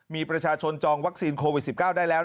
มีประชาชนจองวัคซีนโควิด๑๙ได้แล้ว